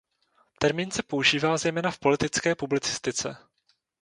Termín se používá zejména v politické publicistice.